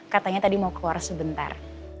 katanya tadi mau keluar sebentar